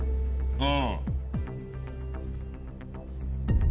うん。